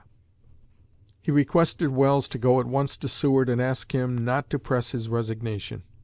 He requested Welles to go at once to Seward and ask him not to press his resignation.